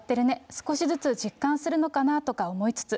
少しずつ実感するのかなとか思いつつ。